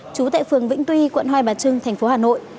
trú tại phường vĩnh tuy quận hai bà trưng thành phố hà nội